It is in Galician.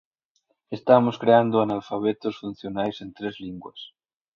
Estamos creando analfabetos funcionais en tres linguas